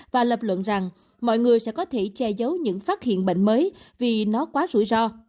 và lập luận rằng mọi người sẽ có thể che giấu những phát hiện bệnh mới vì nó quá rủi ro